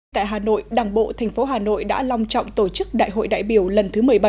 tại hà nội đảng bộ thành phố hà nội đã long trọng tổ chức đại hội đại biểu lần thứ một mươi bảy